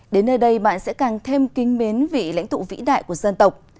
đến nơi đây bạn sẽ càng thêm kính mến vị lãnh tụ vĩ đại của dân tộc